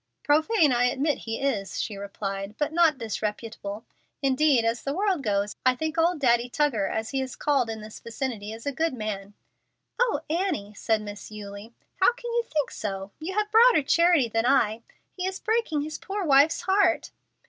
"Profane, I admit he is," she replied, "but not disreputable. Indeed, as the world goes, I think old Daddy Tuggar, as he is called in this vicinity, is a good man." "O, Annie!" said Miss Eulie. "How can you think so? You have broader charity than I. He is breaking his poor wife's heart."